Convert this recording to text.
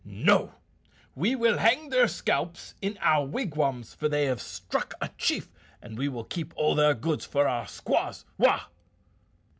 No; we will hang their scalps in our wigwams, for they have struck a chief, and we will keep all their goods for our squaws wah!"